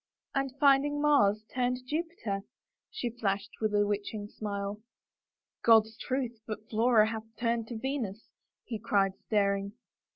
" And finding Mars turned Jupiter," she flashed with a witching smile. " God's truth, but Flora hath turned Venus," he cried, staring.